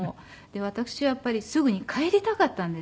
私はやっぱりすぐに帰りたかったんです。